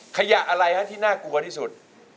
ขยะอะไรฮะที่น่ากลัวที่สุด